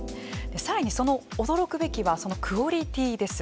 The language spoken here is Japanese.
さらに驚くべきはそのクオリティーです。